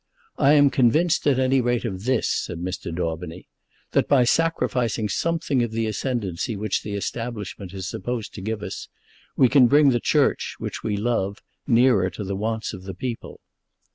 "I am convinced at any rate of this," said Mr. Daubeny; "that by sacrificing something of that ascendancy which the Establishment is supposed to give us, we can bring the Church, which we love, nearer to the wants of the people."